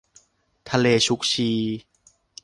ทะเลชุกชี